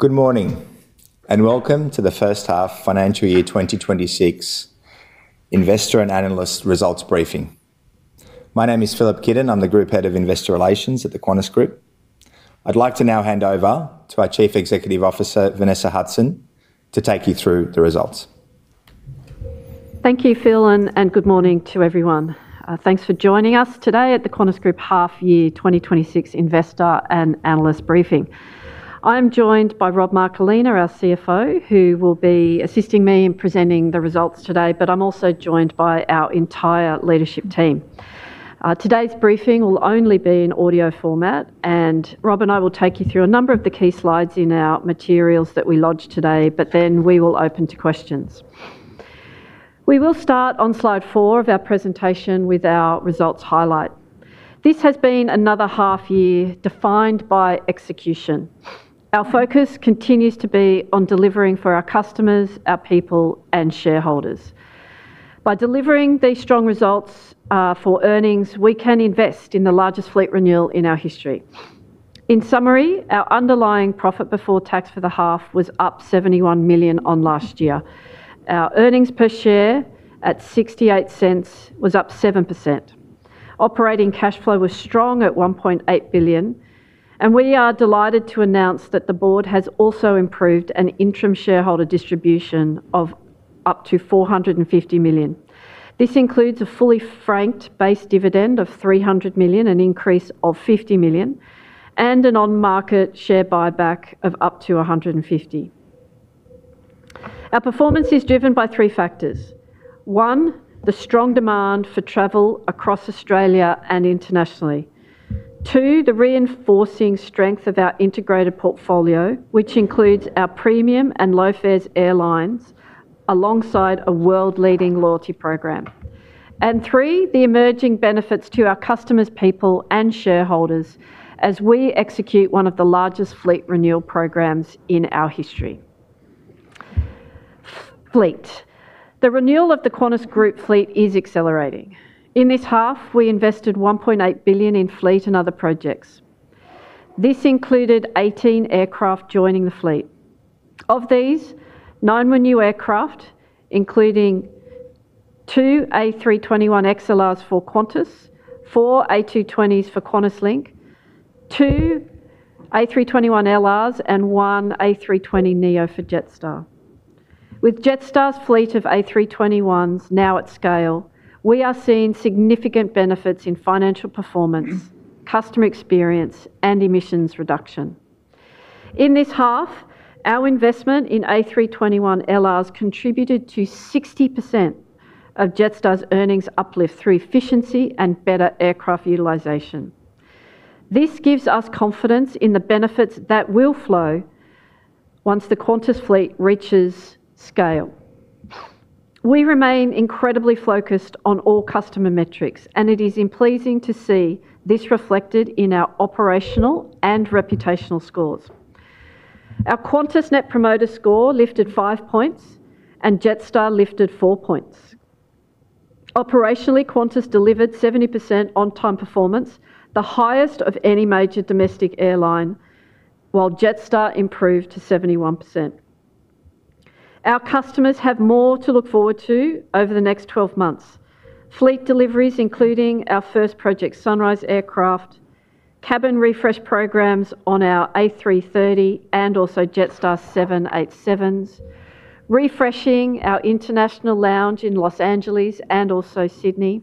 Good morning, and welcome to the first half financial year 2026 investor and analyst results briefing. My name is Filip Kidon, I'm the Group Head of Investor Relations at the Qantas Group. I'd like to now hand over to our Chief Executive Officer, Vanessa Hudson, to take you through the results. Thank you Fil and good morning to everyone. Thanks for joining us today at the Qantas Group half year 2026 investor and analyst briefing. I'm joined by Rob Marcolina, our CFO, who will be assisting me in presenting the results today, but I'm also joined by our entire leadership team. Today's briefing will only be in audio format, and Rob and I will take you through a number of the key slides in our materials that we lodged today, but then we will open to questions. We will start on slide four of our presentation with our results highlight. This has been another half year defined by execution. Our focus continues to be on delivering for our customers, our people, and shareholders. By delivering these strong results for earnings, we can invest in the largest fleet renewal in our history. In summary, our underlying profit before tax for the half was up 71 million on last year. Our earnings per share at 0.68 was up 7%. Operating cash flow was strong at 1.8 billion, we are delighted to announce that the board has also approved an interim shareholder distribution of up to 450 million. This includes a fully franked base dividend of 300 million, an increase of 50 million, and an on-market share buyback of up to 150 million. Our performance is driven by three factors. One, the strong demand for travel across Australia and internationally. Two, he reinforcing strength of our integrated portfolio, which includes our premium and low fares airlines, alongside a world-leading loyalty program. And three, the emerging benefits to our customers, people, and shareholders as we execute one of the largest fleet renewal programs in our history. Fleet. The renewal of the Qantas Group fleet is accelerating. In this half, we invested 1.8 billion in fleet and other projects. This included 18 aircraft joining the fleet. Of these, nine were new aircraft, including two A321XLRs for Qantas, four A220s for QantasLink, two A321LRs and one A320neo for Jetstar. With Jetstar's fleet of A321s now at scale, we are seeing significant benefits in financial performance, customer experience, and emissions reduction. In this half, our investment in A321LRs contributed to 60% of Jetstar's earnings uplift through efficiency and better aircraft utilization. This gives us confidence in the benefits that will flow once the Qantas fleet reaches scale. We remain incredibly focused on all customer metrics, and it is pleasing to see this reflected in our operational and reputational scores. Our Qantas Net Promoter Score lifted five points, and Jetstar lifted four points. Operationally, Qantas delivered 70% on-time performance, the highest of any major domestic airline, while Jetstar improved to 71%. Our customers have more to look forward to over the next 12 months. Fleet deliveries, including our first Project Sunrise aircraft, cabin refresh programs on our A330 and also Jetstar's 787s, refreshing our international lounge in Los Angeles and also Sydney,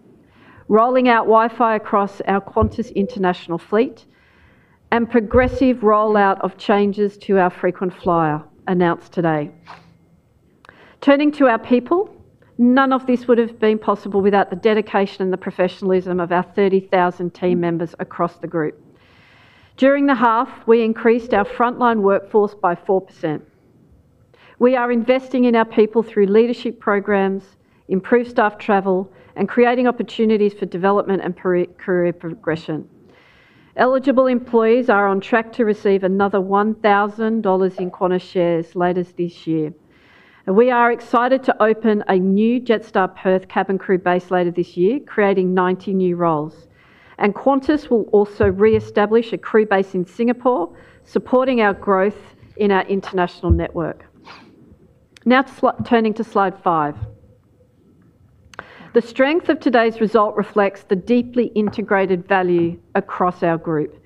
rolling out Wi-Fi across our Qantas international fleet, and progressive rollout of changes to our Frequent Flyer announced today. Turning to our people, none of this would have been possible without the dedication and the professionalism of our 30,000 team members across the group. During the half, we increased our frontline workforce by 4%. We are investing in our people through leadership programs, improved staff travel, and creating opportunities for development and career progression. Eligible employees are on track to receive another 1,000 dollars in Qantas shares later this year. We are excited to open a new Jetstar Perth cabin crew base later this year, creating 90 new roles. Qantas will also reestablish a crew base in Singapore, supporting our growth in our international network. Turning to slide five. The strength of today's result reflects the deeply integrated value across our group.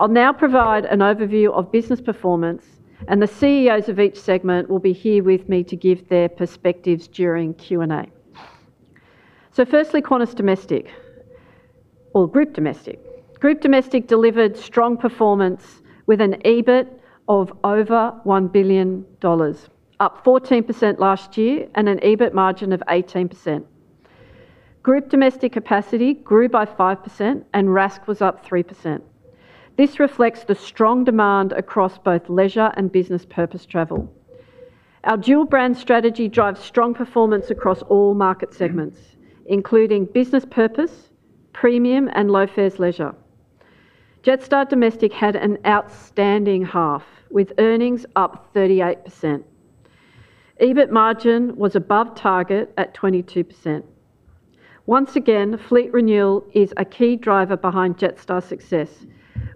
I'll now provide an overview of business performance, and the CEOs of each segment will be here with me to give their perspectives during Q&A. Firstly, Group Domestic. Group Domestic delivered strong performance with an EBIT of over 1 billion dollars, up 14% last year, and an EBIT margin of 18%. Group Domestic capacity grew by 5%, and RASK was up 3%. This reflects the strong demand across both leisure and business purpose travel. Our dual brand strategy drives strong performance across all market segments, including business purpose, premium, and low fares leisure. Jetstar Domestic had an outstanding half, with earnings up 38%. EBIT margin was above target at 22%. Once again, fleet renewal is a key driver behind Jetstar's success,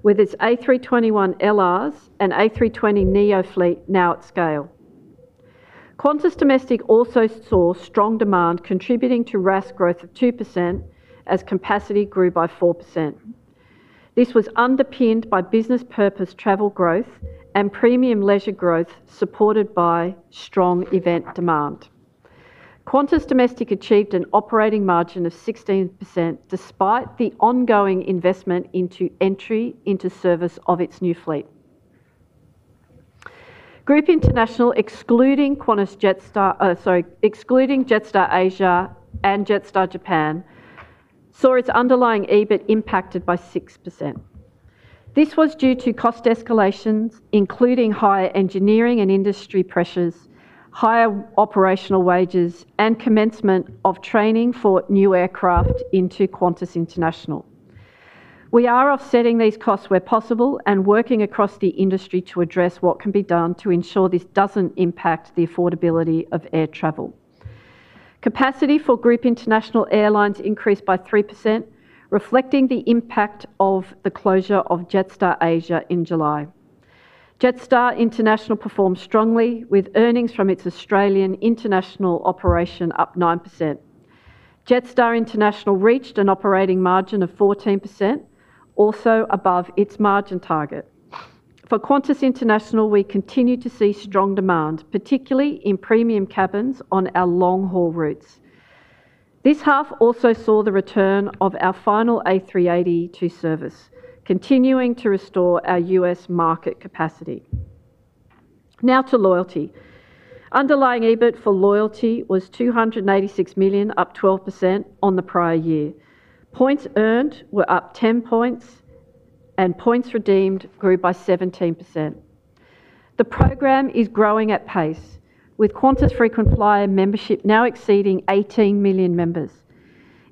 with its A321LRs and A320neo fleet now at scale. Qantas Domestic also saw strong demand, contributing to RASK growth of 2% as capacity grew by 4%. This was underpinned by business purpose travel growth and premium leisure growth, supported by strong event demand. Qantas Domestic achieved an operating margin of 16%, despite the ongoing investment into entry into service of its new fleet. Group International, excluding Jetstar Asia and Jetstar Japan, saw its underlying EBIT impacted by 6%. This was due to cost escalations, including higher engineering and industry pressures, higher operational wages, and commencement of training for new aircraft into Qantas International. We are offsetting these costs where possible and working across the industry to address what can be done to ensure this doesn't impact the affordability of air travel. Capacity for Group International Airlines increased by 3%, reflecting the impact of the closure of Jetstar Asia in July. Jetstar International performed strongly, with earnings from its Australian international operation up 9%. Jetstar International reached an operating margin of 14%, also above its margin target. For Qantas International, we continue to see strong demand, particularly in premium cabins on our long-haul routes. This half also saw the return of our final A380 to service, continuing to restore our U.S. market capacity. Now to Loyalty. Underlying EBIT for Loyalty was 286 million, up 12% on the prior year. Points earned were up 10 points, and points redeemed grew by 17%. The program is growing at pace, with Qantas Frequent Flyer membership now exceeding 18 million members.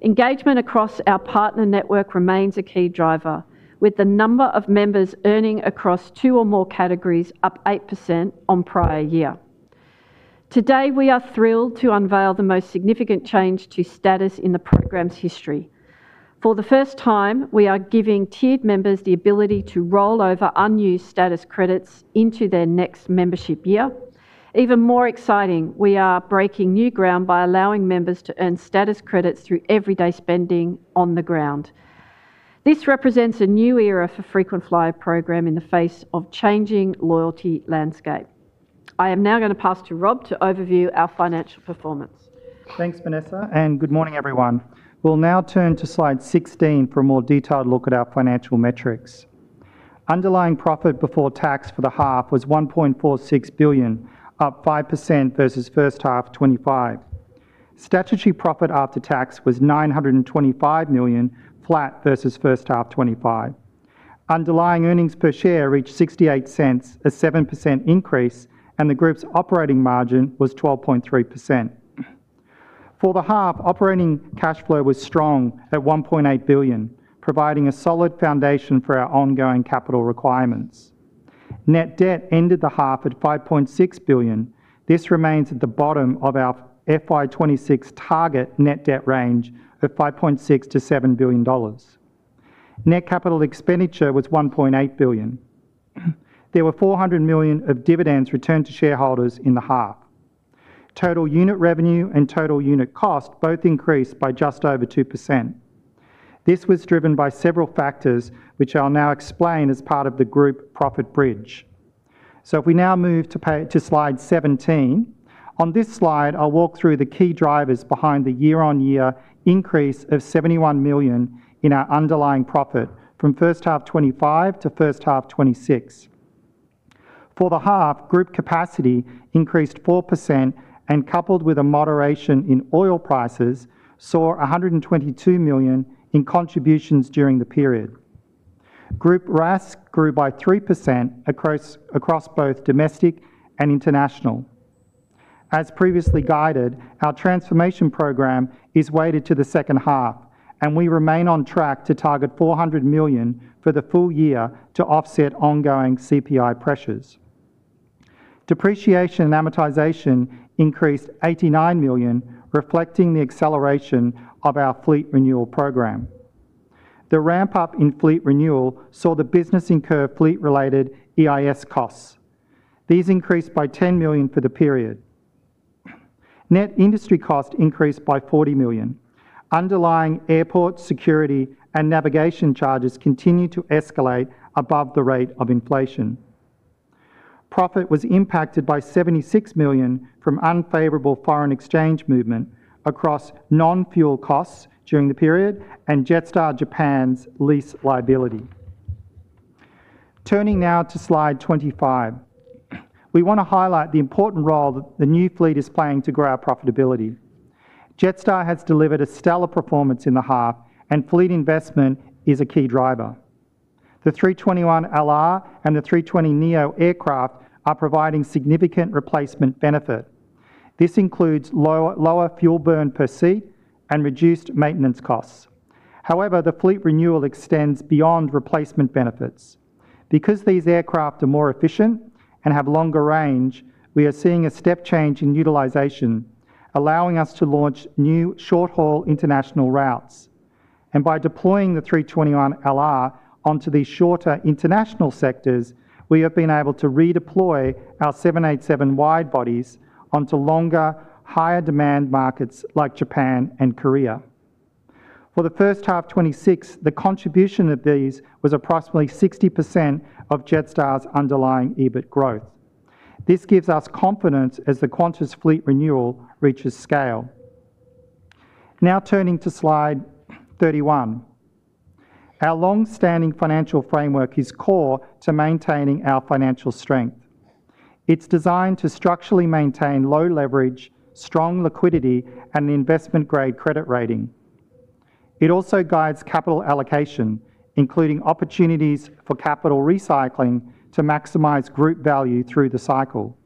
Engagement across our partner network remains a key driver, with the number of members earning across two or more categories up 8% on prior year. Today, we are thrilled to unveil the most significant change to status in the program's history. For the first time, we are giving tiered members the ability to roll over unused status credits into their next membership year. Even more exciting, we are breaking new ground by allowing members to earn status credits through everyday spending on the ground. This represents a new era for Frequent Flyer program in the face of changing loyalty landscape. I am now going to pass to Rob to overview our financial performance. Thanks, Vanessa. Good morning, everyone. We'll now turn to slide 16 for a more detailed look at our financial metrics. Underlying profit before tax for the half was 1.46 billion, up 5% versus first half 2025. Statutory profit after tax was 925 million, flat versus first half 2025. Underlying earnings per share reached 0.68, a 7% increase. The group's operating margin was 12.3%. For the half, operating cash flow was strong at 1.8 billion, providing a solid foundation for our ongoing capital requirements. Net debt ended the half at 5.6 billion. This remains at the bottom of our FY 2026 target net debt range of 5.6 billion-7 billion dollars. Net capital expenditure was 1.8 billion. There were 400 million of dividends returned to shareholders in the half. Total unit revenue and total unit cost both increased by just over 2%. This was driven by several factors, which I'll now explain as part of the group profit bridge. If we now move to slide 17, on this slide, I'll walk through the key drivers behind the year-on-year increase of 71 million in our underlying profit from first half 2025 to first half 2026. For the half, group capacity increased 4%, and coupled with a moderation in oil prices, saw 122 million in contributions during the period. Group RASK grew by 3% across both domestic and international. As previously guided, our transformation program is weighted to the second half. We remain on track to target 400 million for the full year to offset ongoing CPI pressures. Depreciation and amortization increased 89 million, reflecting the acceleration of our fleet renewal program. The ramp-up in fleet renewal saw the business incur fleet-related EIS costs. These increased by 10 million for the period. Net industry cost increased by 40 million. Underlying airport security and navigation charges continued to escalate above the rate of inflation. Profit was impacted by 76 million from unfavorable foreign exchange movement across non-fuel costs during the period and Jetstar Japan's lease liability. Turning now to slide 25, we want to highlight the important role that the new fleet is playing to grow our profitability. Jetstar has delivered a stellar performance in the half. Fleet investment is a key driver. The A321LR and the A320neo aircraft are providing significant replacement benefit. This includes lower fuel burn per seat and reduced maintenance costs. However, the fleet renewal extends beyond replacement benefits. Because these aircraft are more efficient and have longer range, we are seeing a step change in utilization, allowing us to launch new short-haul international routes. By deploying the A321LR onto these shorter international sectors, we have been able to redeploy our 787 wide bodies onto longer, higher demand markets like Japan and Korea. For the first half 2026, the contribution of these was approximately 60% of Jetstar's underlying EBIT growth. This gives us confidence as the Qantas fleet renewal reaches scale. Now turning to slide 31, our long-standing financial framework is core to maintaining our financial strength. It's designed to structurally maintain low leverage, strong liquidity, and investment-grade credit rating. It also guides capital allocation, including opportunities for capital recycling to maximize group value through the cycle.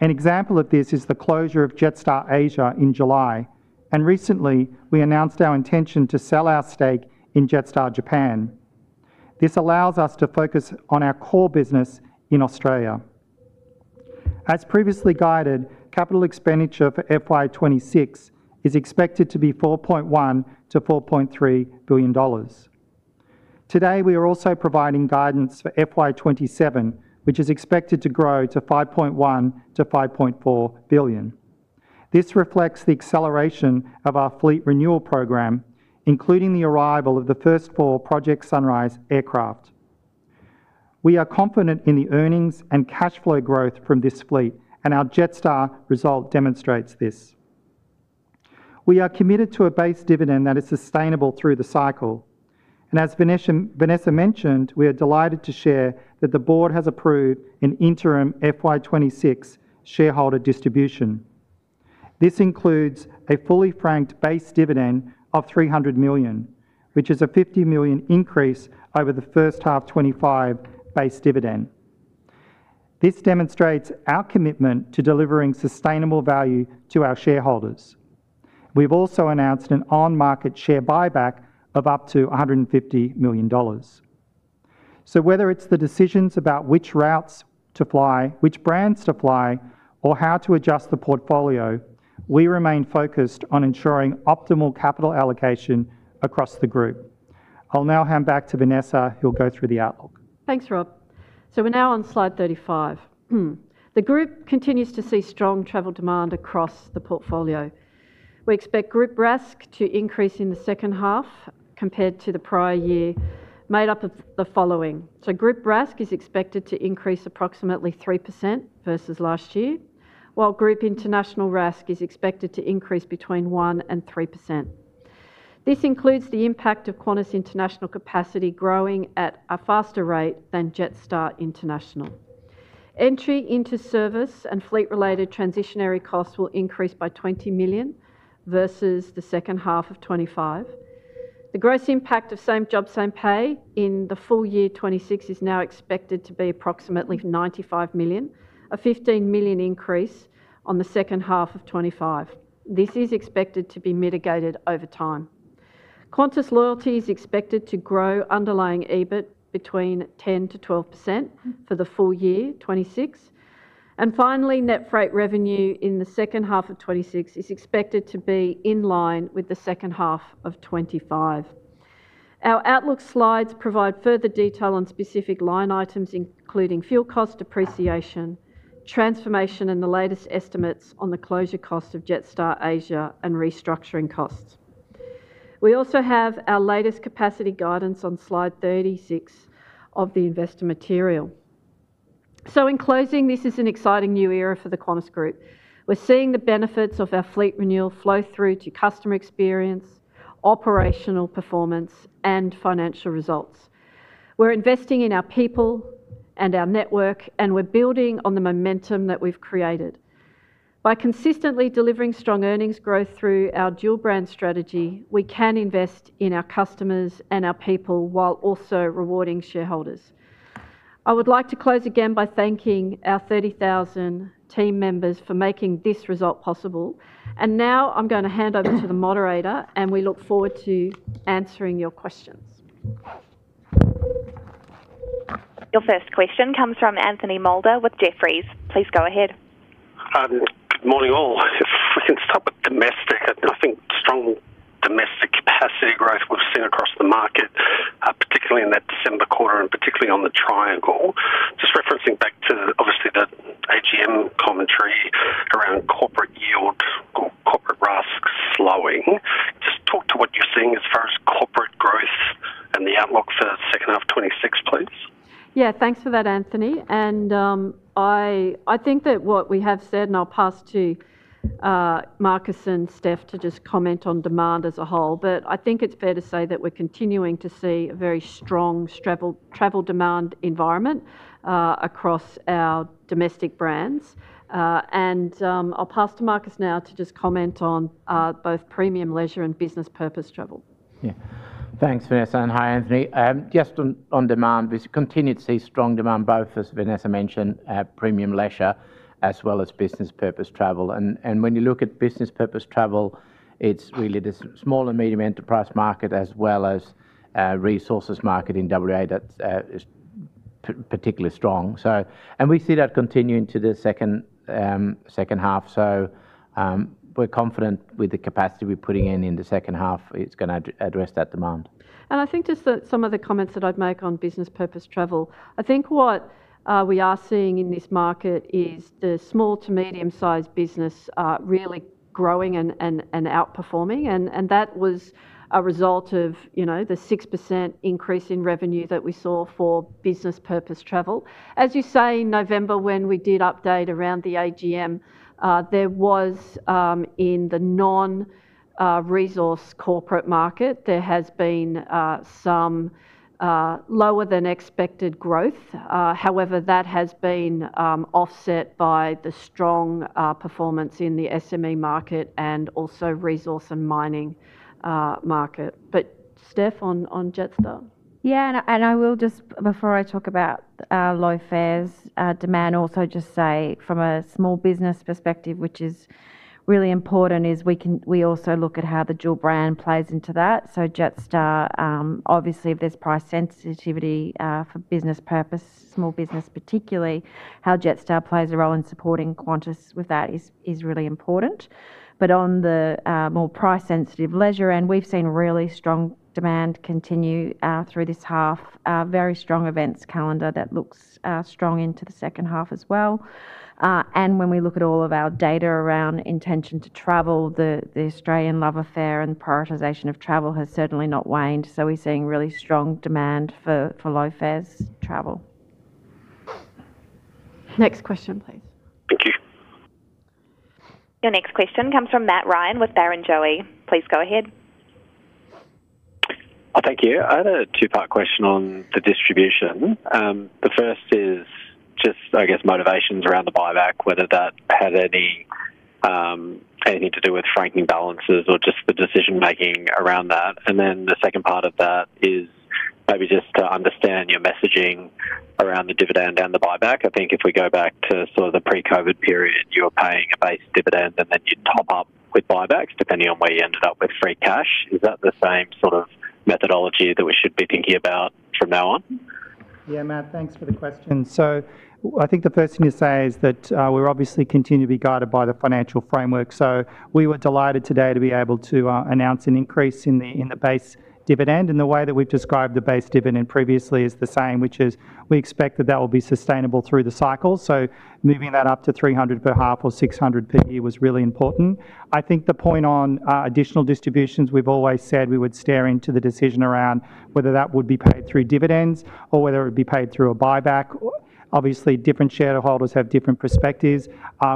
An example of this is the closure of Jetstar Asia in July. Recently, we announced our intention to sell our stake in Jetstar Japan. This allows us to focus on our core business in Australia. As previously guided, capital expenditure for FY 2026 is expected to be 4.1 billion-4.3 billion dollars. Today, we are also providing guidance for FY 2027, which is expected to grow to 5.1 billion-5.4 billion. This reflects the acceleration of our fleet renewal program, including the arrival of the first four Project Sunrise aircraft. We are confident in the earnings and cash flow growth from this fleet, and our Jetstar result demonstrates this. We are committed to a base dividend that is sustainable through the cycle, as Vanessa mentioned, we are delighted to share that the board has approved an interim FY 2026 shareholder distribution. This includes a fully franked base dividend of 300 million, which is an 50 million increase over the 1H25 base dividend. This demonstrates our commitment to delivering sustainable value to our shareholders. We've also announced an on-market share buyback of up to 150 million dollars. Whether it's the decisions about which routes to fly, which brands to fly, or how to adjust the portfolio, we remain focused on ensuring optimal capital allocation across the group. I'll now hand back to Vanessa, who'll go through the outlook. Thanks, Rob. We're now on slide 35. The group continues to see strong travel demand across the portfolio. We expect group RASK to increase in the second half compared to the prior year, made up of the following. Group RASK is expected to increase approximately 3% versus last year, while group international RASK is expected to increase between 1% and 3%. This includes the impact of Qantas international capacity growing at a faster rate than Jetstar International. Entry into service and fleet-related transitionary costs will increase by 20 million versus the second half of 2025. The gross impact of same job, same pay in the full year 2026 is now expected to be approximately 95 million, an 15 million increase on the second half of 2025. This is expected to be mitigated over time. Qantas Loyalty is expected to grow underlying EBIT between 10%-12% for the full year 2026. Finally, net freight revenue in the second half of 2026 is expected to be in line with the second half of 2025. Our outlook slides provide further detail on specific line items, including fuel cost, depreciation, transformation, and the latest estimates on the closure cost of Jetstar Asia and restructuring costs. We also have our latest capacity guidance on slide 36 of the investor material. In closing, this is an exciting new era for the Qantas Group. We're seeing the benefits of our fleet renewal flow through to customer experience, operational performance, and financial results. We're investing in our people and our network, and we're building on the momentum that we've created. By consistently delivering strong earnings growth through our dual brand strategy, we can invest in our customers and our people while also rewarding shareholders. I would like to close again by thanking our 30,000 team members for making this result possible. Now I'm going to hand over to the moderator, and we look forward to answering your questions. Your first question comes from Anthony Moulder with Jefferies. Please go ahead. Good morning, all. If we can start with domestic, I think strong domestic capacity growth we've seen across the market, particularly in that December quarter and particularly on the triangle. Just referencing back to obviously the AGM commentary around corporate yield or corporate RASK slowing, just talk to what you're seeing as far as corporate growth and the outlook for the second half of 2026, please? Thanks for that, Anthony. I think that what we have said, and I'll pass to Markus and Steph to just comment on demand as a whole, but I think it's fair to say that we're continuing to see a very strong travel demand environment across our domestic brands. I'll pass to Markus now to just comment on both premium leisure and business purpose travel. Yeah. Thanks, Vanessa, and hi, Anthony. Just on demand, we continue to see strong demand, both, as Vanessa mentioned, premium leisure as well as business purpose travel. When you look at business purpose travel, it's really the small and medium enterprise market as well as resources market in WA that's particularly strong. We see that continuing to the second half. We're confident with the capacity we're putting in in the second half, it's gonna address that demand. I think just some of the comments that I'd make on business purpose travel, I think what we are seeing in this market is the small to medium-sized business really growing and outperforming, and that was a result of, you know, the 6% increase in revenue that we saw for business purpose travel. As you say, in November, when we did update around the AGM, there was in the non-resource corporate market, there has been some lower than expected growth. However, that has been offset by the strong performance in the SME market and also resource and mining market. Steph, on Jetstar? I will just, before I talk about our low fares, demand, also just say from a small business perspective, which is really important, is we also look at how the dual brand plays into that. Jetstar, obviously, if there's price sensitivity, for business purpose, small business particularly, how Jetstar plays a role in supporting Qantas with that is really important. On the more price-sensitive leisure end, we've seen really strong demand continue through this half, very strong events calendar that looks strong into the second half as well. When we look at all of our data around intention to travel, the Australian love affair and prioritization of travel has certainly not waned, we're seeing really strong demand for low fares travel. Next question, please. Thank you. Your next question comes from Matt Ryan with Barrenjoey. Please go ahead. Thank you. I had a two-part question on the distribution. The first is motivations around the buyback, whether that had any anything to do with franking balances or just the decision-making around that. The second part of that is maybe just to understand your messaging around the dividend and the buyback. I think if we go back to the pre-COVID period, you were paying a base dividend, and then you'd top up with buybacks, depending on where you ended up with free cash. Is that the same methodology that we should be thinking about from now on? Yeah, Matt, thanks for the question. I think the first thing to say is that we're obviously continue to be guided by the financial framework. We were delighted today to be able to announce an increase in the base dividend, and the way that we've described the base dividend previously is the same, which is we expect that that will be sustainable through the cycle. Moving that up to 300 per half or 600 per year was really important. I think the point on additional distributions, we've always said we would steer into the decision around whether that would be paid through dividends or whether it would be paid through a buyback. Obviously, different shareholders have different perspectives.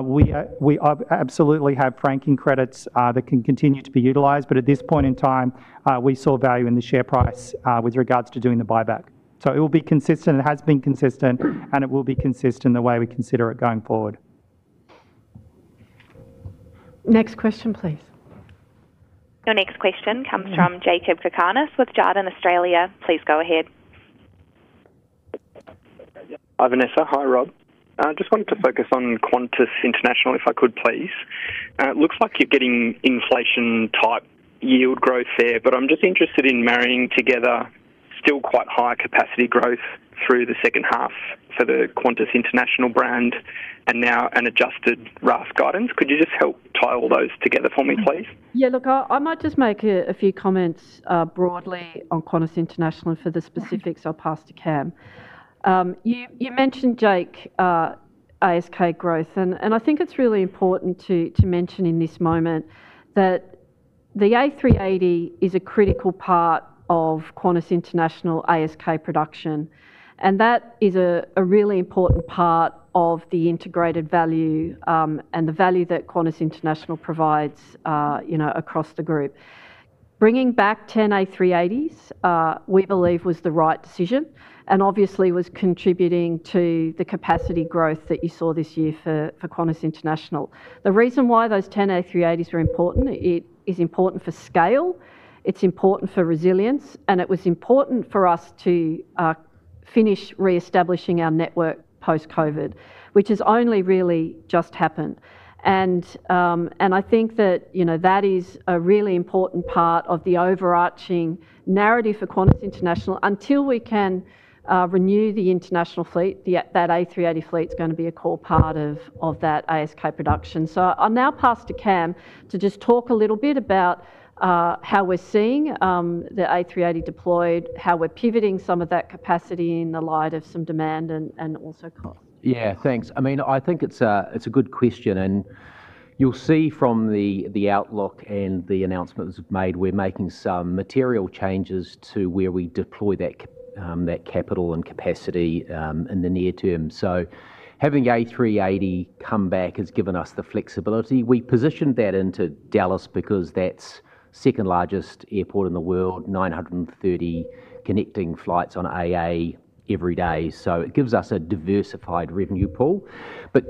We absolutely have franking credits that can continue to be utilized. At this point in time, we saw value in the share price with regards to doing the buyback. It will be consistent, it has been consistent, and it will be consistent in the way we consider it going forward. Next question, please. Your next question comes from Jakob Cakarnis with Jarden Australia. Please go ahead. Hi, Vanessa. Hi, Rob. I just wanted to focus on Qantas International, if I could, please. It looks like you're getting inflation-type yield growth there, but I'm just interested in marrying together still quite high capacity growth through the second half for the Qantas International brand and now an adjusted RASK guidance. Could you just help tie all those together for me, please? I might just make a few comments broadly on Qantas International. For the specifics, I'll pass to Cam. You mentioned, Jake, ASK growth, and I think it's really important to mention in this moment that the A380 is a critical part of Qantas International ASK production, and that is a really important part of the integrated value, and the value that Qantas International provides, you know, across the group. Bringing back 10 A380s, we believe was the right decision and obviously was contributing to the capacity growth that you saw this year for Qantas International. The reason why those 10 A380s are important, it is important for scale, it's important for resilience, and it was important for us to finish reestablishing our network post-COVID, which has only really just happened. I think that, you know, that is a really important part of the overarching narrative for Qantas International. Until we can renew the international fleet, that A380 fleet is gonna be a core part of that ASK production. I'll now pass to Cam to just talk a little bit about how we're seeing the A380 deployed, how we're pivoting some of that capacity in the light of some demand and also costs. Thanks. I think it's a, it's a good question. You'll see from the outlook and the announcements made, we're making some material changes to where we deploy that capital and capacity in the near term. Having A380 come back has given us the flexibility. We positioned that into Dallas because that's second-largest airport in the world, 930 connecting flights on AA every day. It gives us a diversified revenue pool.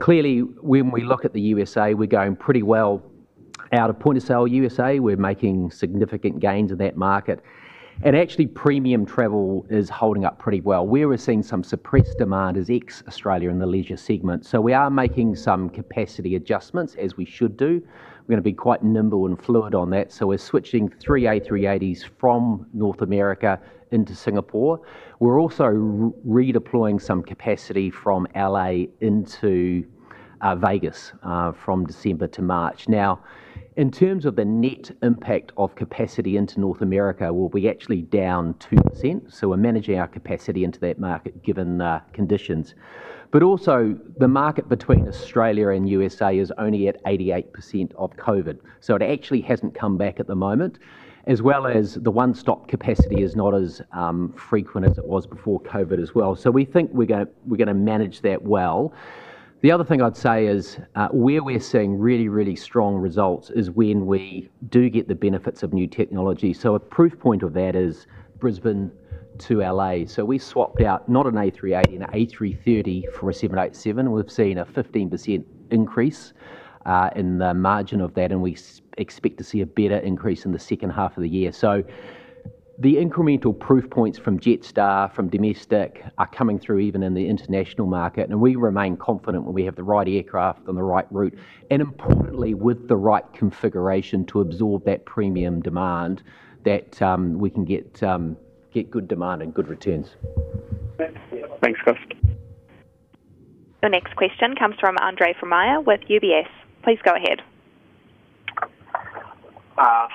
Clearly, when we look at the USA, we're going pretty well. Out of point of sale USA, we're making significant gains in that market, and actually premium travel is holding up pretty well. Where we're seeing some suppressed demand is ex-Australia in the leisure segment. We are making some capacity adjustments, as we should do. We're gonna be quite nimble and fluid on that, so we're switching three A380s from North America into Singapore. We're also redeploying some capacity from L.A. into Vegas from December to March. Now, in terms of the net impact of capacity into North America, well, we're actually down 2%, so we're managing our capacity into that market, given the conditions. Also the market between Australia and U.S.A. is only at 88% of Covid, so it actually hasn't come back at the moment, as well as the one-stop capacity is not as frequent as it was before Covid as well. We think we're gonna manage that well. The other thing I'd say is where we're seeing really, really strong results is when we do get the benefits of new technology. A proof point of that is Brisbane to L.A. We swapped out not an A380, an A330 for a 787, and we've seen a 15% increase in the margin of that, and we expect to see a better increase in the second half of the year. The incremental proof points from Jetstar, from domestic, are coming through even in the international market, and we remain confident when we have the right aircraft on the right route, and importantly, with the right configuration to absorb that premium demand, that we can get good demand and good returns. Thanks, Markus. The next question comes from Andre Fromyhr with UBS. Please go ahead.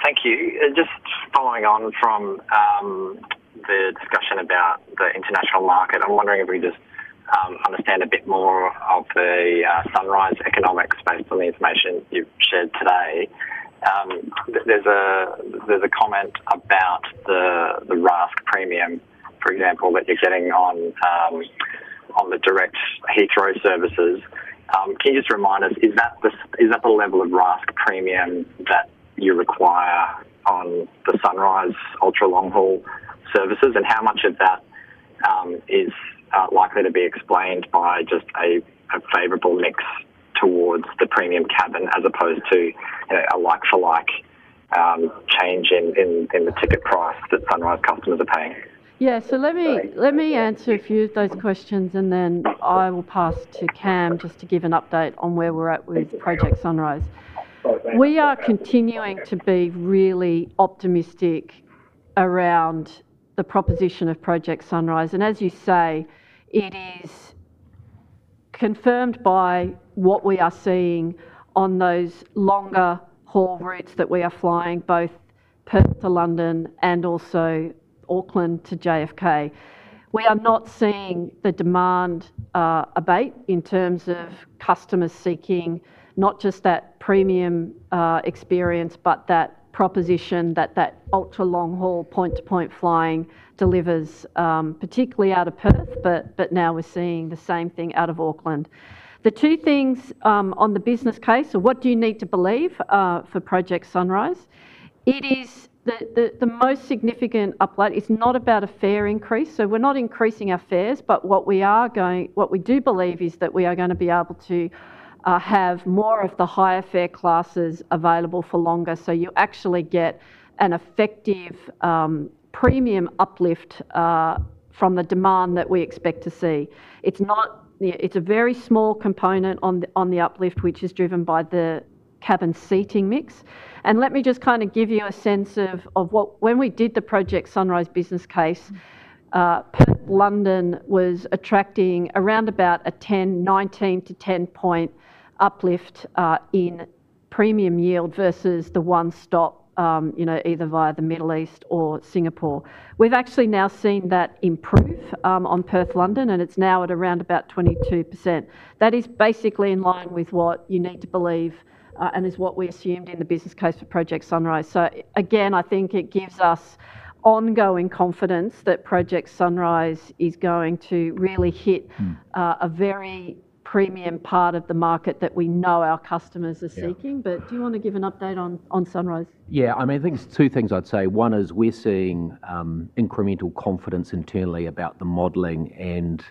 Thank you. Just following on from the discussion about the international market, I'm wondering if we just understand a bit more of the Project Sunrise economics based on the information you've shared today. There's a comment about the RASK premium, for example, that you're getting on the direct Heathrow services. Can you just remind us, is that the level of RASK premium that you require on the Project Sunrise ultra-long haul services? How much of that is likely to be explained by just a favorable mix towards the premium cabin as opposed to a like-for-like change in the ticket price that Project Sunrise customers are paying? Yeah. Let me answer a few of those questions, and then I will pass to Cam just to give an update on where we're at with Project Sunrise. We are continuing to be really optimistic around the proposition of Project Sunrise, and as you say, it is confirmed by what we are seeing on those longer haul routes that we are flying, both Perth to London and also Auckland to JFK. We are not seeing the demand abate in terms of customers seeking not just that premium experience, but that proposition that that ultra-long haul point-to-point flying delivers, particularly out of Perth, but now we're seeing the same thing out of Auckland. The two things on the business case, so what do you need to believe for Project Sunrise? It is the most significant uplift. It's not about a fare increase, so we're not increasing our fares, but what we do believe is that we're gonna be able to have more of the higher fare classes available for longer, so you actually get an effective premium uplift from the demand that we expect to see. It's a very small component on the uplift, which is driven by the cabin seating mix. Let me just kind of give you a sense of what, when we did the Project Sunrise business case, Perth-London was attracting around about a 19 to 10-point uplift in premium yield versus the one-stop, you know, either via the Middle East or Singapore. We've actually now seen that improve on Perth-London, and it's now at around about 22%. That is basically in line with what you need to believe, and is what we assumed in the business case for Project Sunrise. Again, I think it gives us ongoing confidence that Project Sunrise is going to really hit a very premium part of the market that we know our customers are seeking. Do you want to give an update on Sunrise? I mean, I think there's two things I'd say, one is we're seeing incremental confidence internally about the modeling and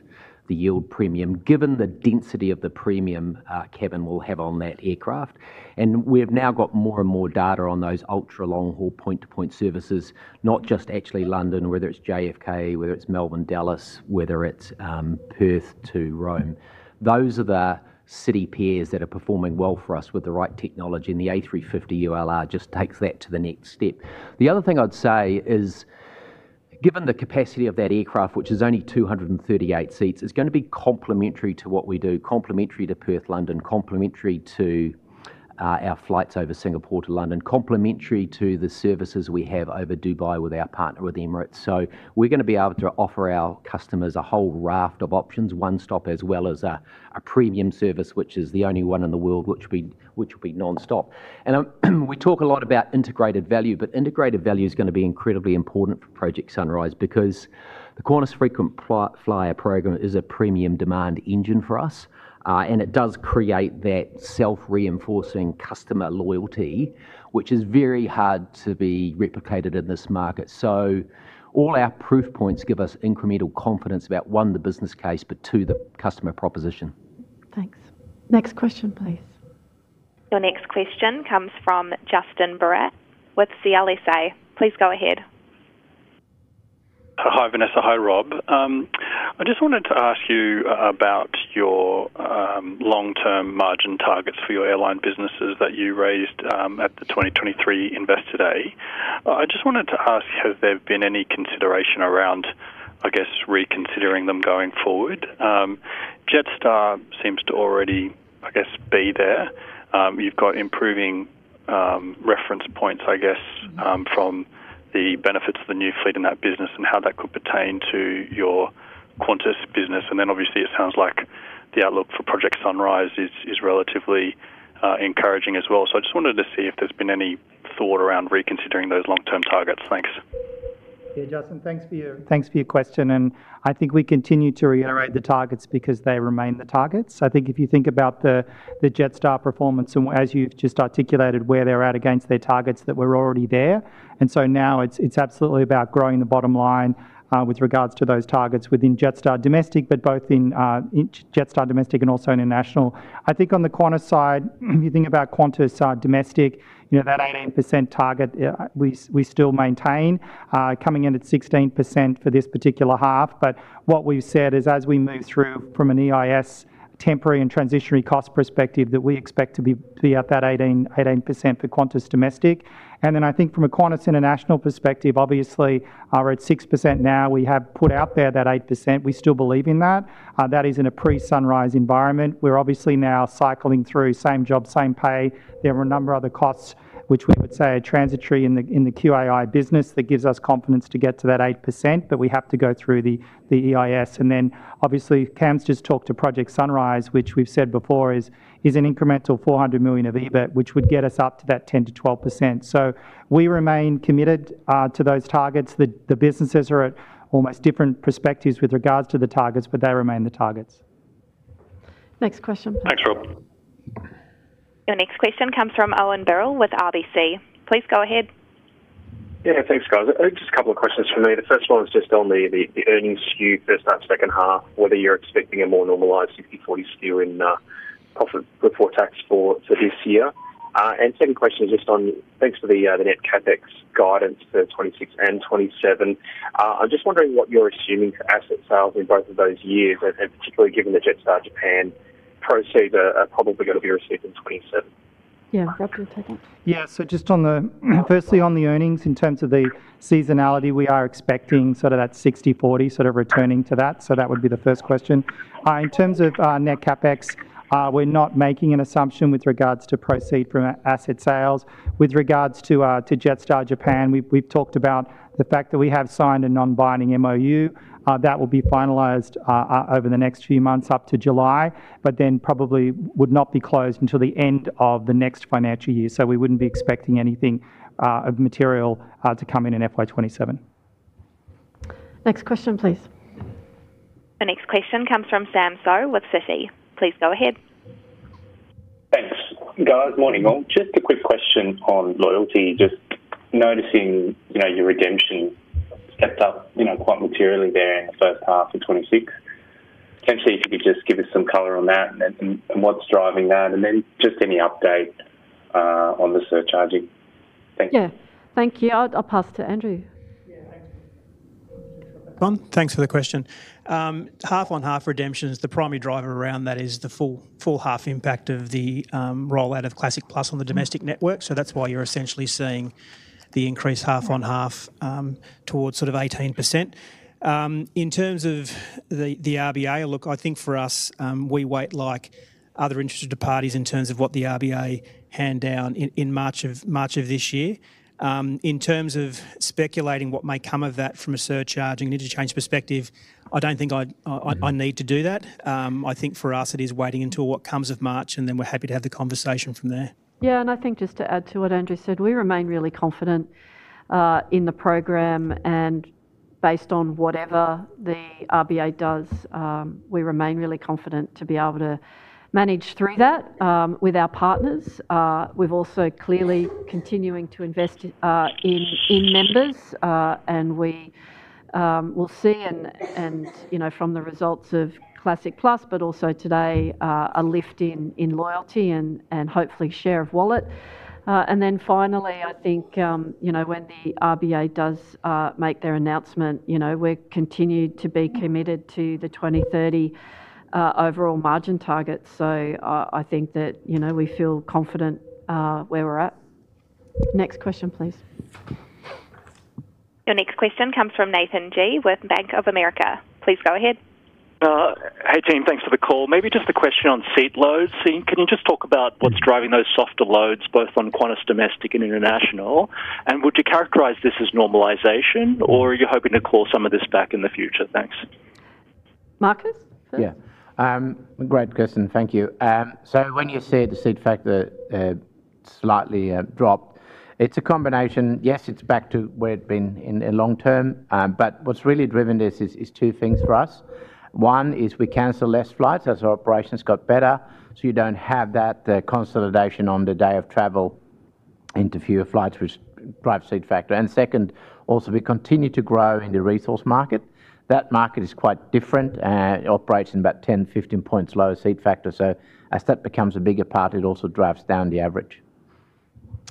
the yield premium, given the density of the premium cabin we'll have on that aircraft. We've now got more and more data on those ultra-long haul point-to-point services, not just actually London, whether it's JFK, whether it's Melbourne, Dallas, whether it's Perth to Rome. Those are the city pairs that are performing well for us with the right technology, the A350-1000ULR just takes that to the next step. The other thing I'd say is, given the capacity of that aircraft, which is only 238 seats, it's gonna be complementary to what we do, complementary to Perth-London, complementary to our flights over Singapore to London, complementary to the services we have over Dubai with our partner, with Emirates. We're gonna be able to offer our customers a whole raft of options, one stop, as well as a premium service, which is the only one in the world which will be nonstop. We talk a lot about integrated value, but integrated value is gonna be incredibly important for Project Sunrise because the Qantas Frequent Flyer program is a premium demand engine for us, and it does create that self-reinforcing customer loyalty, which is very hard to be replicated in this market. All our proof points give us incremental confidence about, one, the business case, but two, the customer proposition. Thanks. Next question, please. The next question comes from Justin Barratt with CLSA. Please go ahead. Hi, Vanessa. Hi, Rob. I just wanted to ask you about your long-term margin targets for your airline businesses that you raised at the 2023 Investor Day. I just wanted to ask, has there been any consideration around, I guess, reconsidering them going forward? Jetstar seems to already, I guess, be there. You've got improving reference points, I guess, from the benefits of the new fleet in that business and how that could pertain to your Qantas business. Then obviously, it sounds like the outlook for Project Sunrise is relatively encouraging as well. I just wanted to see if there's been any thought around reconsidering those long-term targets. Thanks. Yeah, Justin, thanks for your question. I think we continue to reiterate the targets because they remain the targets. I think if you think about the Jetstar performance as you've just articulated, where they're at against their targets, that we're already there. Now it's absolutely about growing the bottom line with regards to those targets within Jetstar Domestic, but both in Jetstar Domestic and also International. I think on the Qantas side, if you think about Qantas Domestic, you know, that 18% target, we still maintain coming in at 16% for this particular half. What we've said is as we move through from an EIS temporary and transitionary cost perspective, that we expect to be at that 18% for Qantas domestic. I think from a Qantas international perspective, obviously, are at 6% now. We have put out there that 8%, we still believe in that. That is in a pre-Sunrise environment. We're obviously now cycling through same job, same pay. There are a number of other costs which we would say are transitory in the, in the QAI business that gives us confidence to get to that 8%, but we have to go through the EIS. Obviously, Cam's just talked to Project Sunrise, which we've said before is an incremental 400 million of EBIT, which would get us up to that 10%-12%. We remain committed to those targets. The, the businesses are at almost different perspectives with regards to the targets, but they remain the targets. Next question. Thanks, Rob. Your next question comes from Owen Birrell with RBC. Please go ahead. Thanks, guys. Just a couple of questions from me. The first one is just on the earnings skew, first half, second half, whether you're expecting a more normalized 60, 40 skew in off of before tax for this year. Second question is just on. Thanks for the net CapEx guidance for 2026 and 2027. I'm just wondering what you're assuming for asset sales in both of those years, and particularly given the Jetstar Japan proceeds are probably going to be received in 2027. Yeah. Rob, do you want to take it? Just on the, firstly, on the earnings, in terms of the seasonality, we are expecting sort of that 60, 40 sort of returning to that. That would be the first question. In terms of net CapEx, we're not making an assumption with regards to proceed from asset sales. With regards to Jetstar Japan, we've talked about the fact that we have signed a non-binding MoU. That will be finalized over the next few months up to July, but probably would not be closed until the end of the next financial year. We wouldn't be expecting anything of material to come in in FY 2027. Next question, please. The next question comes from Sam Seow with Citi. Please go ahead. Thanks, guys. Morning all. Just a quick question on loyalty. Just noticing, you know, your redemption stepped up, you know, quite materially there in the first half of 2026. Potentially, if you could just give us some color on that and what's driving that, just any update on the surcharging. Thank you. Yeah. Thank you. I'll pass to Andrew. Yeah, thanks. Just pop back on. Thanks for the question. Half-on-half redemption is the primary driver around that is the full half impact of the rollout of Classic Plus on the domestic network. That's why you're essentially seeing the increase half-on-half towards sort of 18%. In terms of the RBA, I think for us, we wait like other interested parties in terms of what the RBA hand down in March of this year. In terms of speculating what may come of that from a surcharging and interchange perspective, I don't think I need to do that. I think for us, it is waiting until what comes of March, and then we're happy to have the conversation from there. I think just to add to what Andrew said, we remain really confident in the program, and based on whatever the RBA does, we remain really confident to be able to manage through that with our partners. We've also clearly continuing to invest in members, and we will see, and, you know, from the results of Classic Plus, but also today, a lift in loyalty and hopefully share of wallet. Finally, I think, you know, when the RBA does make their announcement, you know, we're continued to be committed to the 2030 overall margin target. I think that, you know, we feel confident where we're at. Next question, please. Your next question comes from Nathan Gee with Bank of America. Please go ahead. Hey, team. Thanks for the call. Maybe just a question on seat loads. Can you just talk about what's driving those softer loads, both on Qantas domestic and international? Would you characterize this as normalization, or are you hoping to call some of this back in the future? Thanks. Markus? Yeah, great question. Thank you. When you said the seat factor, slightly dropped, it's a combination. Yes, it's back to where it's been in a long term, but what's really driven this is two things for us. One is we cancel less flights as our operations got better, so you don't have that consolidation on the day of travel into fewer flights, which drive seat factor. Second, also, we continue to grow in the resource market. That market is quite different, it operates in about 10, 15 points lower seat factor. As that becomes a bigger part, it also drives down the average.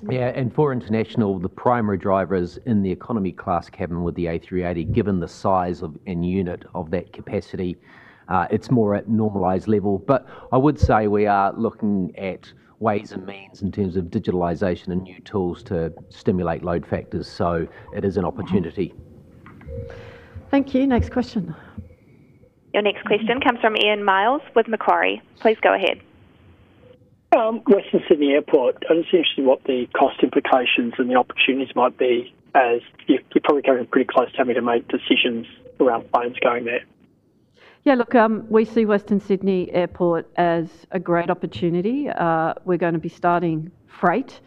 Yeah, for international, the primary driver is in the economy class cabin with the A380. Given the size of and unit of that capacity, it's more at normalized level. I would say we are looking at ways and means in terms of digitalization and new tools to stimulate load factors. It is an opportunity. Thank you. Next question. Your next question comes from Ian Myles with Macquarie. Please go ahead. Western Sydney Airport, I'm just interested in what the cost implications and the opportunities might be, as you're probably going pretty close to having to make decisions around planes going there. We see Western Sydney Airport as a great opportunity. We're gonna be starting freight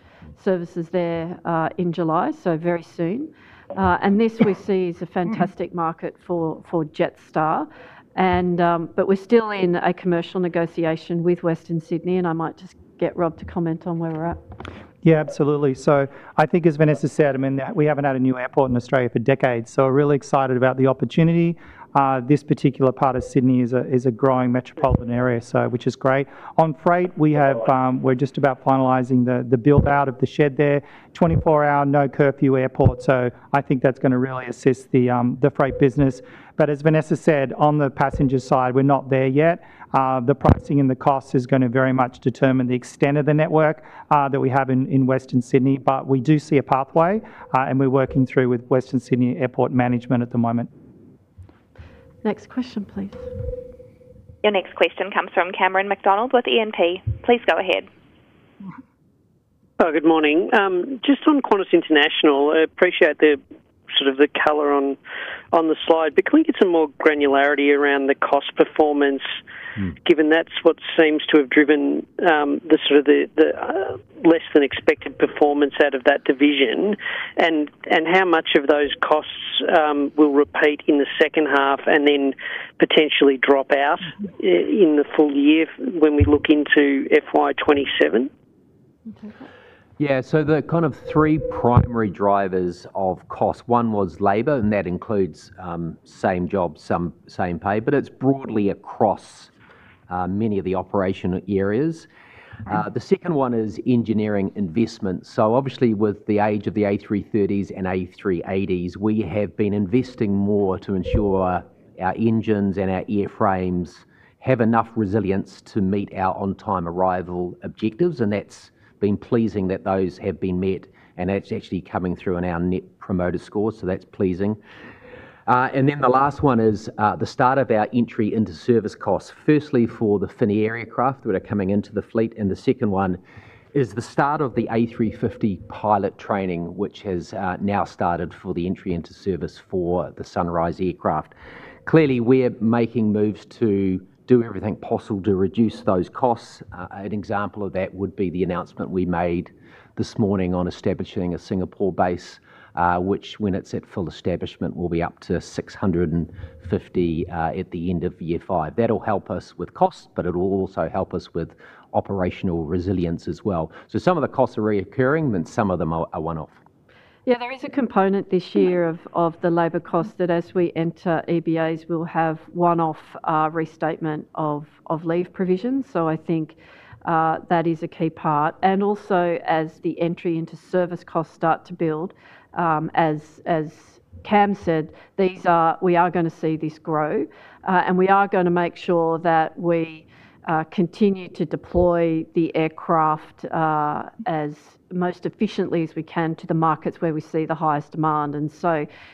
services there in July, so very soon. This we see as a fantastic market for Jetstar. We're still in a commercial negotiation with Western Sydney, and I might just get Rob to comment on where we're at. Absolutely. I think as Vanessa said, I mean, that we haven't had a new airport in Australia for decades, so we're really excited about the opportunity. This particular part of Sydney is a growing metropolitan area, so which is great. On freight, we're just about finalizing the build-out of the shed there. 24-hour, no curfew airport, so I think that's gonna really assist the freight business. As Vanessa said, on the passenger side, we're not there yet. The pricing and the cost is gonna very much determine the extent of the network that we have in Western Sydney. We do see a pathway, and we're working through with Western Sydney Airport management at the moment. Next question, please. Your next question comes from Cameron McDonald with E&P. Please go ahead. Good morning. Just on Qantas International, I appreciate the sort of the color on the slide. Can we get some more granularity around the cost performance given that's what seems to have driven, the sort of the, less than expected performance out of that division? How much of those costs, will repeat in the second half, and then potentially drop out in the full year when we look into FY 2027? Yeah, the three primary drivers of cost, one was labor, and that includes same job, same pay, but it's broadly across many of the operational areas. The second one is engineering investment. Obviously, with the age of the A330s and A380s, we have been investing more to ensure our engines and our airframes have enough resilience to meet our on-time arrival objectives, and that's been pleasing that those have been met, and that's actually coming through in our Net Promoter Score, so that's pleasing. The last one is the start of our entry into service costs. Firstly, for the new aircraft that are coming into the fleet, and the second one is the start of the A350 pilot training, which has now started for the entry into service for the Sunrise aircraft. Clearly, we're making moves to do everything possible to reduce those costs. An example of that would be the announcement we made this morning on establishing a Singapore base, which, when it's at full establishment, will be up to 650 at the end of year five. That'll help us with costs, but it'll also help us with operational resilience as well. Some of the costs are reoccurring, then some of them are one-off. Yeah, there is a component this year of the labour cost that as we enter EBAs, we'll have one-off restatement of leave provisions. I think that is a key part. Also, as the entry into service costs start to build, as Cam said, we are gonna see this grow, and we are gonna make sure that we continue to deploy the aircraft as most efficiently as we can to the markets where we see the highest demand.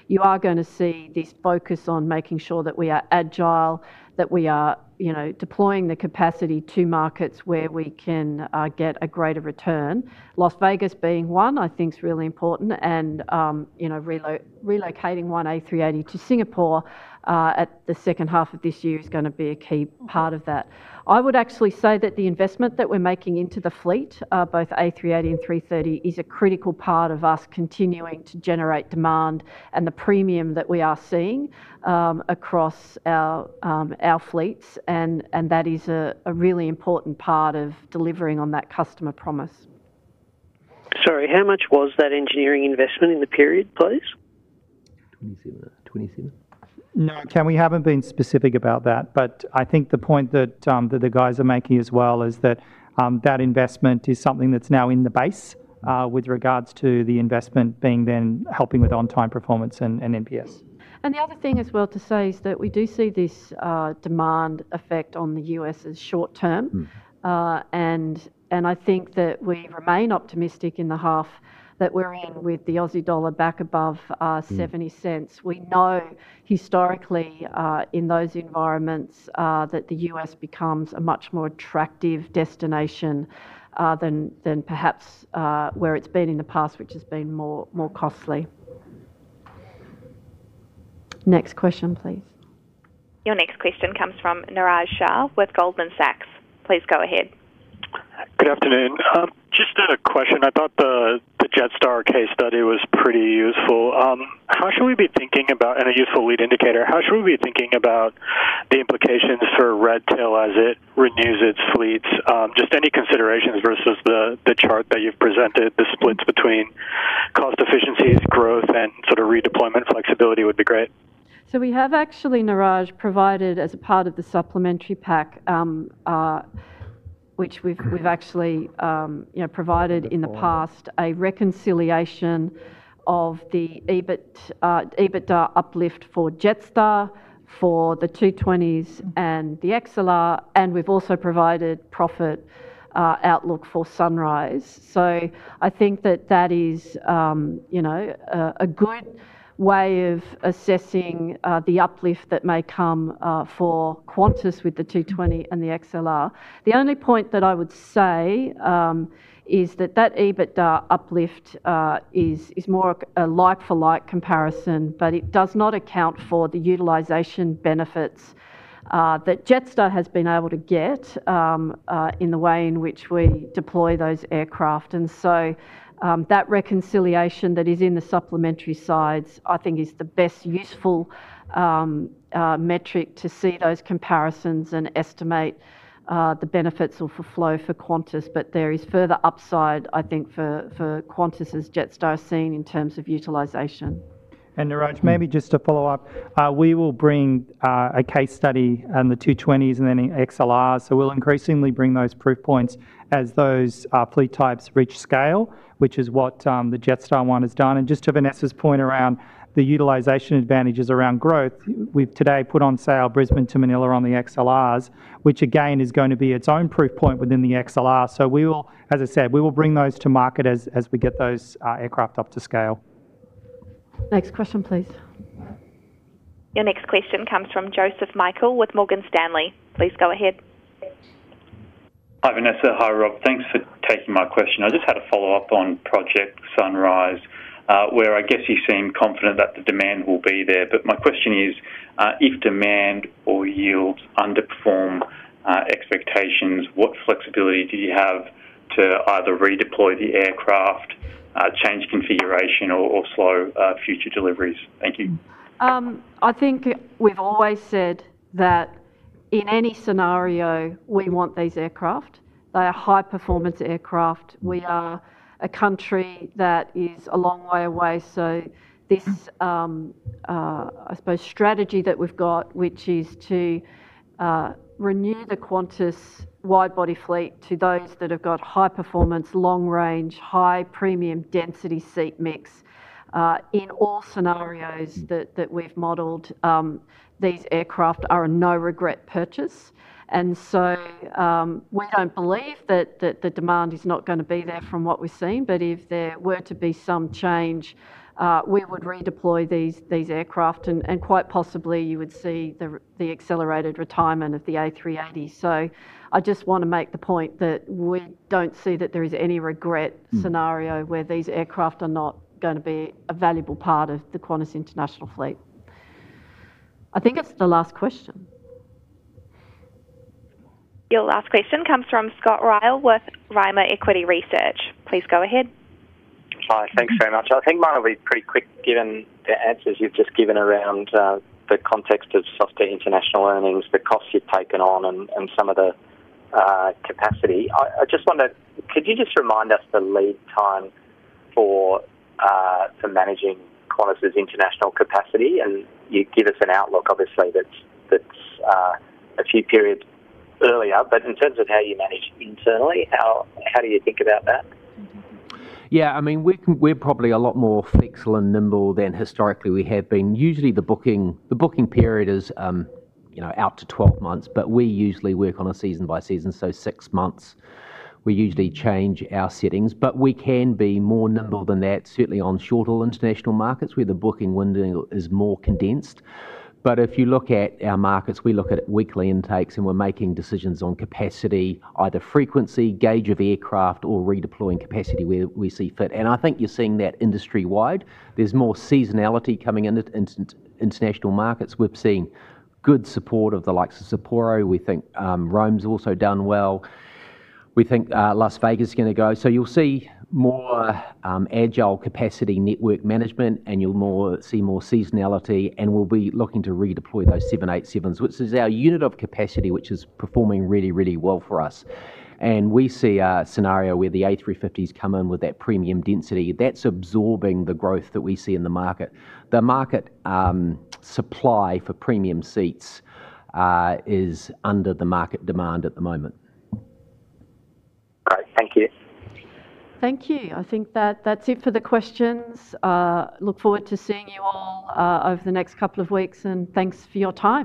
You are gonna see this focus on making sure that we are agile, that we are, you know, deploying the capacity to markets where we can get a greater return. Las Vegas being one, I think is really important, you know, relocating one A380 to Singapore at the second half of this year is gonna be a key part of that. I would actually say that the investment that we're making into the fleet, both A380 and A330, is a critical part of us continuing to generate demand and the premium that we are seeing across our fleets, and that is a really important part of delivering on that customer promise. Sorry, how much was that engineering investment in the period, please? No, Cam, we haven't been specific about that, but I think the point that the guys are making as well is that investment is something that's now in the base with regards to the investment being then helping with on-time performance and NPS. The other thing as well to say is that we do see this demand effect on the US as short term. I think that we remain optimistic in the half that we're in with the Aussie dollar back above 0.70. We know historically, in those environments, that the U.S. becomes a much more attractive destination, than perhaps, where it's been in the past, which has been more costly. Next question, please. Your next question comes from Niraj Shah with Goldman Sachs. Please go ahead. Good afternoon. Just another question. I thought the Jetstar case study was pretty useful. A useful lead indicator, how should we be thinking about the implications for Redtail as it renews its fleets? Just any considerations versus the chart that you've presented, the splits between growth and sort of redeployment flexibility would be great? We have actually, Niraj, provided as a part of the supplementary pack, which we've actually, you know, provided in the past a reconciliation of the EBITDA uplift for Jetstar, for the 220s and the XLR, and we've also provided profit outlook for Sunrise. I think that that is, you know, a good way of assessing the uplift that may come for Qantas with the 220 and the XLR. The only point that I would say is that that EBITDA uplift is more a like-for-like comparison, but it does not account for the utilization benefits that Jetstar has been able to get in the way in which we deploy those aircraft. That reconciliation that is in the supplementary sides, I think, is the best useful metric to see those comparisons and estimate the benefits or for flow for Qantas. There is further upside, I think, for Qantas as Jetstar seen in terms of utilization. Niraj, maybe just to follow up, we will bring a case study on the 220s and then the XLRs. We'll increasingly bring those proof points as those fleet types reach scale, which is what the Jetstar one has done. Just to Vanessa's point around the utilization advantages around growth, we've today put on sale Brisbane to Manila on the XLRs, which again, is going to be its own proof point within the XLR. As I said, we will bring those to market as we get those aircraft up to scale. Next question, please. Your next question comes from Joseph Michael with Morgan Stanley. Please go ahead. Hi, Vanessa. Hi, Rob. Thanks for taking my question. I just had a follow-up on Project Sunrise, where I guess you seem confident that the demand will be there. My question is, if demand or yields underperform expectations, what flexibility do you have to either redeploy the aircraft, change configuration or slow future deliveries? Thank you. I think we've always said that in any scenario, we want these aircraft. They are high-performance aircraft. We are a country that is a long way away, so this, I suppose, strategy that we've got, which is to renew the Qantas wide-body fleet to those that have got high performance, long range, high premium density seat mix, in all scenarios that we've modeled, these aircraft are a no-regret purchase. We don't believe that the demand is not gonna be there from what we've seen, but if there were to be some change, we would redeploy these aircraft, and quite possibly, you would see the accelerated retirement of the A380. I just want to make the point that we don't see that there is any regret scenario where these aircraft are not gonna be a valuable part of the Qantas international fleet. I think that's the last question. Your last question comes from Scott Ryall with Rimor Equity Research. Please go ahead. Hi, thanks very much. I think mine will be pretty quick, given the answers you've just given around the context of softer international earnings, the costs you've taken on, and some of the capacity. I just wonder, could you just remind us the lead time for managing Qantas's international capacity? You give us an outlook, obviously, that's a few periods earlier. In terms of how you manage internally, how do you think about that? Yeah, I mean, we're probably a lot more flexible and nimble than historically we have been. Usually, the booking period is, you know, out to 12 months, but we usually work on a season by season, so six months. We usually change our settings, but we can be more nimble than that, certainly on shorter international markets, where the booking window is more condensed. If you look at our markets, we look at weekly intakes, and we're making decisions on capacity, either frequency, gauge of aircraft, or redeploying capacity where we see fit. I think you're seeing that industry-wide. There's more seasonality coming in at international markets. We're seeing good support of the likes of Sapporo. We think Rome's also done well. We think Las Vegas is gonna go. You'll see more agile capacity network management, and you'll see more seasonality, and we'll be looking to redeploy those 787s, which is our unit of capacity, which is performing really, really well for us. We see a scenario where the A350s come in with that premium density. That's absorbing the growth that we see in the market. The market supply for premium seats is under the market demand at the moment. Great. Thank you. Thank you. I think that that's it for the questions. Look forward to seeing you all over the next couple of weeks, and thanks for your time.